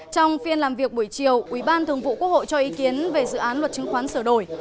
trong phiên làm việc buổi chiều ubthqh cho ý kiến về dự án luật chứng khoán sửa đổi